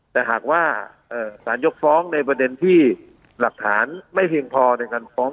แต่หากว่าสารยกฟ้องในประเด็นที่หลักฐานไม่เพียงพอในการฟ้อง